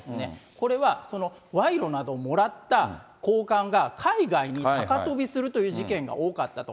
これは、わいろなどもらった高官が海外に高飛びするという事件が多かったと。